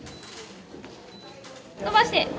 伸ばして！